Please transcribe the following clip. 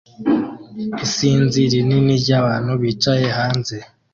Isinzi rinini ryabantu bicaye hanze